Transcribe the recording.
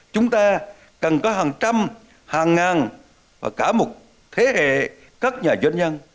chúng ta cần có hàng trăm hàng ngàn và cả một thế hệ các nhà doanh nhân